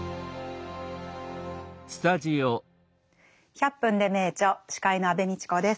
「１００分ｄｅ名著」司会の安部みちこです。